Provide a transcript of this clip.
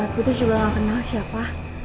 putus juga gak kenal siapa